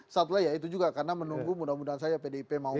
satway ya itu juga karena menunggu mudah mudahan saya pdip mau